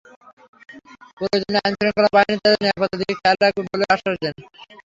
প্রয়োজনে আইনশৃঙ্খলা বাহিনী তাদের নিরাপত্তার দিকে খেয়াল রাখবে বলেও আশ্বাস দেন।